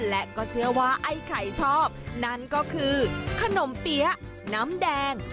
และก็เชื่อว่าไอ้ไข่ชอบนั่นก็คือขนมเปี๊ยะน้ำแดง